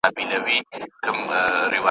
مسافرو وو خپل مرګ داسي هېر کړی ,